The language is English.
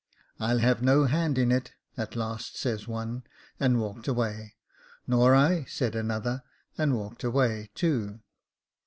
* I'll have no hand in it," at last says one, and walked away. * Nor I,' said another, and walked away, too.